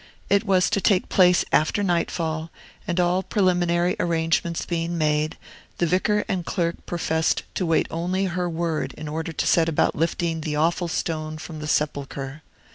It was to take place after nightfall; and all preliminary arrangements being made, the vicar and clerk professed to wait only her word in order to set about lifting the awful stone from the sepulchre.